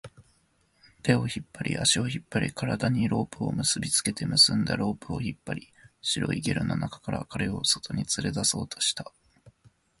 手を引っ張り、足を引っ張り、体にロープを結びつけて、結んだロープを引っ張り、白いゲルの中から彼を外に連れ出そうとした